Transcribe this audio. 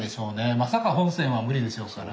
まさか本線は無理でしょうから。